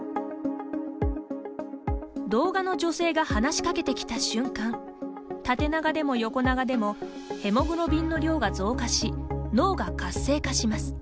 動画の女性が話しかけてきた瞬間縦長でも横長でもヘモグロビンの量が増加し脳が活性化します。